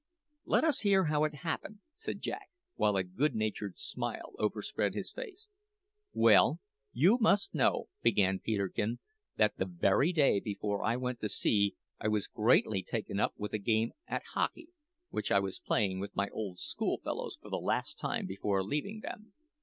"Let us hear how it happened," said Jack, while a good natured smile overspread his face. "Well, you must know," began Peterkin, "that the very day before I went to sea I was greatly taken up with a game at hockey, which I was playing with my old school fellows for the last time before leaving them.